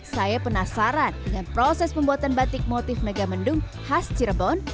saya penasaran dengan proses pembuatan batik motif megamendung khas cirebon